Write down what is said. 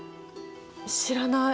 知らない。